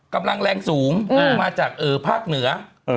กำลังแรงสูงมาจากภาคเหนือ